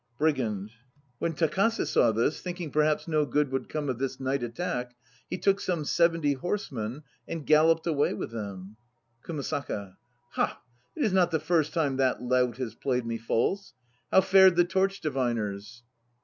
BRIGAND. When Takase saw this, thinking perhaps no good would come of this night attack, he took some seventy horsemen and galloped away with them. KUMASAKA. Ha! It is not the first time that lout has played me false. How fared the torch diviners?